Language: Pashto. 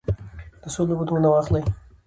د څو لوبو نومونه واخلی ؟